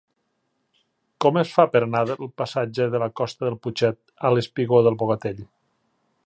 Com es fa per anar del passatge de la Costa del Putxet al espigó del Bogatell?